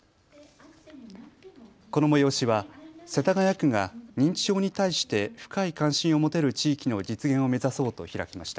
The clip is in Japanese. この催しは世田谷区が認知症に対して深い関心を持てる地域の実現を目指そうと開きました。